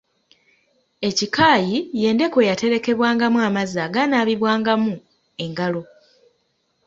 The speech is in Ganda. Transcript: Ekikaayi y’endeku eyaterekebwangamu amazzi agaanaabibwangamu engalo .